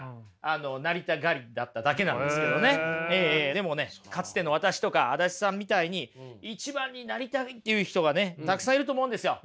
でもねかつての私とか足立さんみたいに一番になりたいっていう人がねたくさんいると思うんですよ。